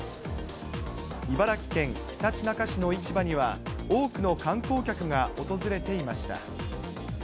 茨城県ひたちなか市の市場には、多くの観光客が訪れていました。